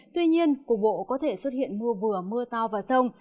tuy nhiên cục bộ có thể xuất hiện mưa vừa mưa to vào sông